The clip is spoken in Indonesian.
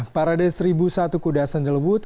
parade seribu satu kuda sandalwood